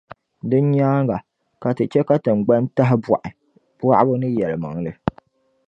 Din nyaaŋa, ka Ti chɛ ka tiŋgbani tahibɔɣi, bɔɣibu ni yɛlimaŋli.